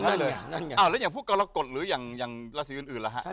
นั่นเลยแล้วอย่างพวกกรกฎหรืออย่างราศีอื่นล่ะฮะ